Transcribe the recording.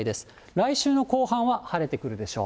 来週の後半は晴れてくるでしょう。